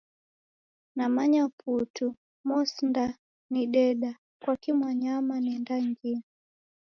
Namanya putu mosindanideda. Kwaki mwanyama nendangia?